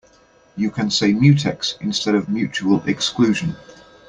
You can say mutex instead of mutual exclusion.